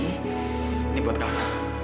ini buat kamu